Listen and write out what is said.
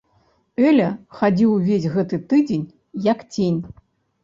Эля хадзіў увесь гэты тыдзень, як цень.